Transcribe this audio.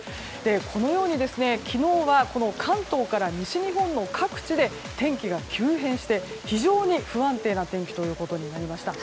このように昨日は関東から西日本の各地で天気が急変して、非常に不安定な天気となりました。